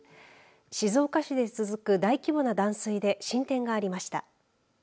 静岡市で続く大規模な断水で進展がありました。